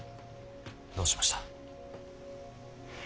どうしました。